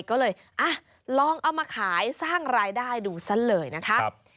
ก็เลยลองเอามาขายสร้างรายได้ดูซะเลยนะคะ